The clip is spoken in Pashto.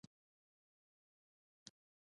لاله ګل په دښتو کې پخپله شنه کیږي؟